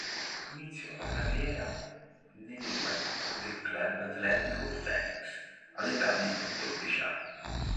Iniziò la carriera nelle giovanili del Club Atlético Fénix all'età di quattordici anni.